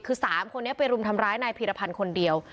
คือ๓คนนี้ไปรุมทำร้ายนายพีรพันธ์คนเดียว